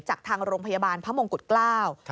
จากทางโรงพยาบาลพระมงกุฎเกล้า